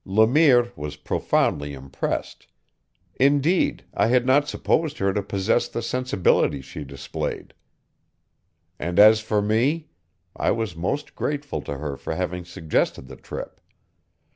Le Mire was profoundly impressed; indeed, I had not supposed her to possess the sensibility she displayed; and as for me, I was most grateful to her for having suggested the trip.